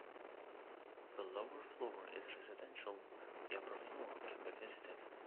The lower floor is residential; the upper floor can be visited.